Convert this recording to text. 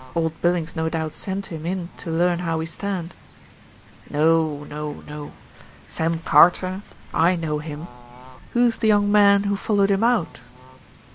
Old Billings no doubt sent him in to learn how we stand." "No, no, no. Sam Carter I know him. Who's the young man who followed him out?"